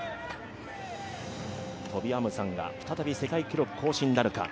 トビ・アムサンが再び世界記録更新なるか。